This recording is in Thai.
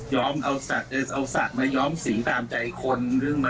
ย้อมเอาสัตว์เอาสัตว์มาย้อมสีตามใจคน